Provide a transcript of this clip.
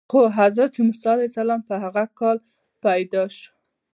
خو حضرت موسی علیه السلام په هغه کال پیدا شو.